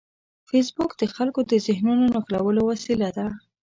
فېسبوک د خلکو د ذهنونو نښلولو وسیله ده